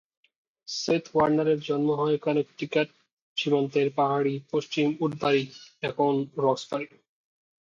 Seth ওয়ার্নারের জন্ম হয় কানেকটিকাট সীমান্তের পাহাড়ী পশ্চিম উডবারি, এখন রক্সবারি।